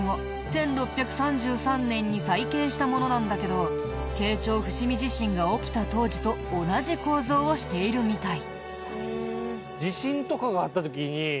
１６３３年に再建したものなんだけど慶長伏見地震が起きた当時と同じ構造をしているみたい。